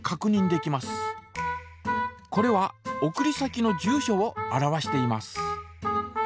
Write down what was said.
これは送り先の住所を表しています。